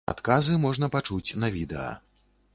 Адказы можна пачуць на відэа.